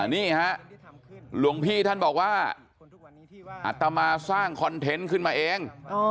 นี่ฮะหลวงพี่ท่านบอกว่าอัตมาสร้างคอนเทนต์ขึ้นมาเอง